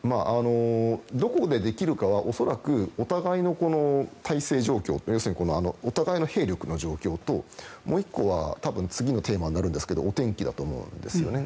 どこでできるかは恐らくお互いの態勢状況要するにお互いの兵力の状況ともう１個は多分次のテーマになると思うんですがお天気だと思うんですよね。